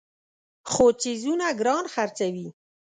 خو څیزونه ګران خرڅوي.